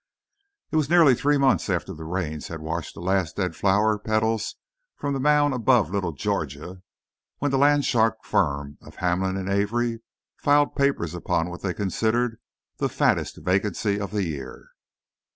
It was nearly three months after the rains had washed the last dead flower petals from the mound above little Georgia when the "land shark" firm of Hamlin and Avery filed papers upon what they considered the "fattest" vacancy of the year.